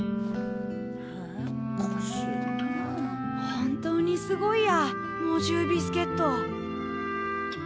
本当にすごいや猛獣ビスケット。